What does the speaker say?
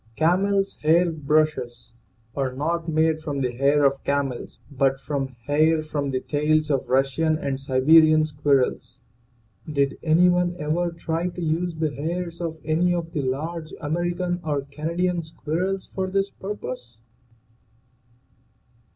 CAMEL'S HAIR BRUSHES are not made from the hair of camels but from hair from the tails of Russian and Sibe rian squirrels. Did any one ever try to use the hairs of any of the large American or Canadian squirrels for this purpose?